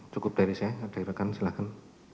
cukup dari saya dari rekan silahkan